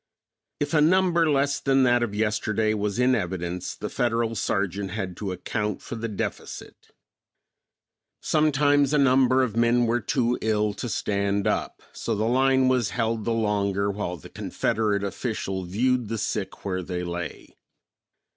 If a number less than that of yesterday was in evidence, the Federal sergeant had to account for the deficit. Sometimes a number of men were too ill to stand up, so the line was held the longer while the Confederate official viewed the sick where they lay.